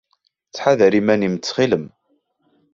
Ttḥadar iman-im, ttxil-m!